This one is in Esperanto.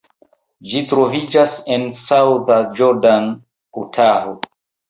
Ĝi troviĝas en South Jordan, Utaho.